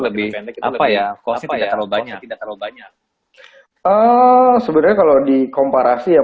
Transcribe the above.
lebih apa ya kok sih kalau banyak tidak kalau banyak oh sebenarnya kalau dikomparasi yang